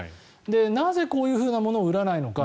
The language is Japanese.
なぜ、こういうものを売らないのか。